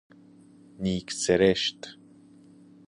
نیک سرشت